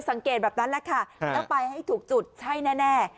สังเกตแบบนั้นแหละค่ะแล้วไปให้ถูกจุดใช่แน่